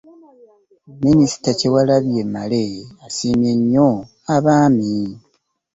Minisita Kyewalabye Male yasiimye nnyo abaami